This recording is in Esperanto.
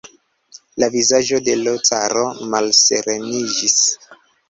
La vizaĝo de l' caro malsereniĝis.